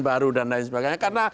baru dan lain sebagainya karena